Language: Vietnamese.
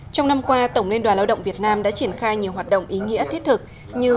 trong năm qua tổng liên đoàn lao động việt nam đã triển khai nhiều hoạt động ý nghĩa thiết thực như